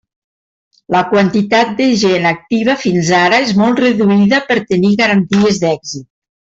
La quantitat de gent activa fins ara és molt reduïda per tenir garanties d'èxit.